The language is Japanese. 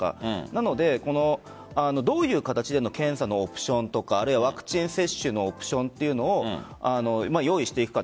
なのでどういう形での検査のオプションとかワクチン接種のオプションというのを用意していくか。